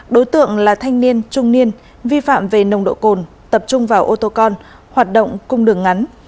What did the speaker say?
đối tượng là thanh niên trung niên vi phạm về nồng độ cồn tập trung vào ô tô con hoạt động cung đường ngắn